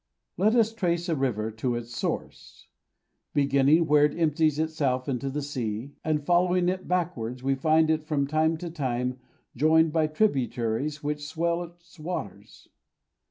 Let us trace a river to its source. Beginning where it empties itself into the sea, and following it backwards, we find it from time to time joined by tributaries which swell its waters.